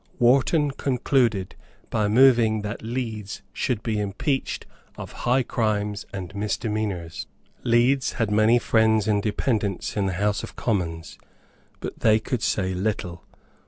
Wharton concluded by moving that Leeds should be impeached of high crimes and misdemeanours. Leeds had many friends and dependents in the House of Commons; but they could say little.